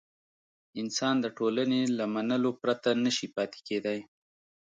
انسان د ټولنې له منلو پرته نه شي پاتې کېدای.